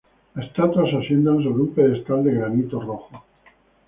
La estatua se asienta sobre un pedestal de granito rojo.